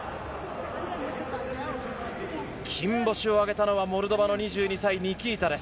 金星を挙げたのはモルドバの２２歳、ニキータです。